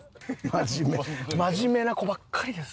真面目真面目な子ばっかりです。